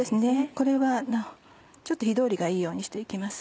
これはちょっと火通りがいいようにして行きます。